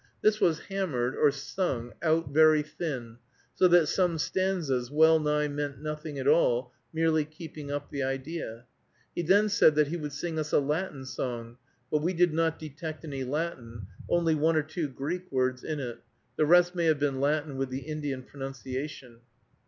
This was hammered (or sung) out very thin, so that some stanzas well nigh meant nothing at all, merely keeping up the idea. He then said that he would sing us a Latin song; but we did not detect any Latin, only one or two Greek words in it, the rest may have been Latin with the Indian pronunciation.